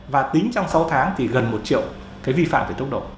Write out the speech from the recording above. và tính trong sáu tháng thì gần một triệu cái vi phạm về tốc độ